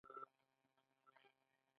ایا سبزیجات مینځئ؟